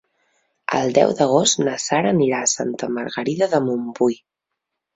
El deu d'agost na Sara anirà a Santa Margarida de Montbui.